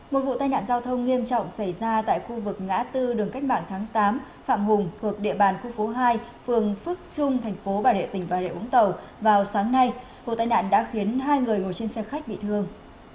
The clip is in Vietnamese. một vụ tai nạn giao thông nghiêm trọng xảy ra tại khu vực ngã tư đường cách mạng tháng tám phạm hùng thuộc địa bàn khu phố hai phường phước trung thành phố bà rịa tỉnh bà rịa úng tàu vào sáng nay vụ tai nạn đã khiến hai người ngồi trên xe khách bị thương